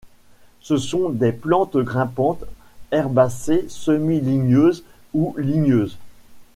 Ce sont des plantes grimpantes, herbacées, semi-ligneuses ou ligneuses.